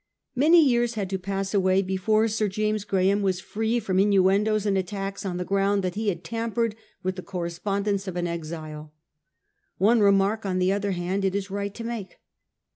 Many years had to pass away before Sir James Gra ham was free from innuendoes and attacks on the ground that he had tampered with the correspond ence of an exile. One remark, on the other hand, it is right to make.